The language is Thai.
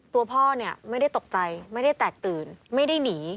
ตัวพ่อเนี่ยไม่ได้ตกใจไม่ได้แตกตื่นไม่ได้หนี